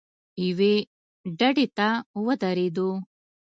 یوې ډډې ته ودرېدو.